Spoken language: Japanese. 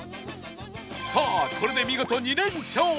さあこれで見事２連勝